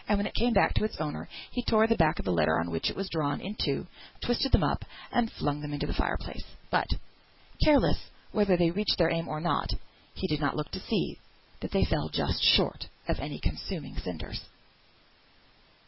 When it came back to its owner he tore the back of the letter on which it was drawn, in two; twisted them up, and flung them into the fire place; but, careless whether they reached their aim or not, he did not look to see that they fell just short of any consuming cinders.